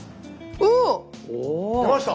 おお！出ました？